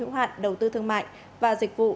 hữu hạn đầu tư thương mại và dịch vụ